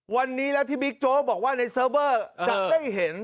วันนี้แล้วที่บิ๊กโจ๊กบอกว่าในเซิร์ฟเวอร์จะได้เห็น